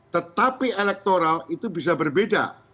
tetapi elektoral itu bisa berbeda